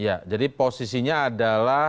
ya jadi posisinya adalah